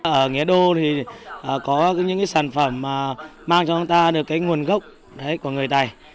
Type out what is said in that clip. ở nghĩa đô thì có những sản phẩm mang cho người ta được nguồn gốc của người tài